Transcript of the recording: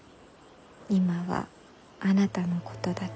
今はあなたのことだけ。